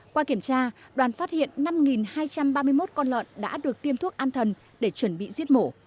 qua kiểm tra đoàn phát hiện năm hai trăm ba mươi một con lợn đã được tiêm thuốc an thần để chuẩn bị giết mổ